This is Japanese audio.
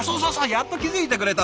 やっと気付いてくれた！